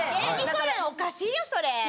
こるんおかしいよそれ！